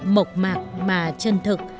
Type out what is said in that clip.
mộc mạc mà chân thực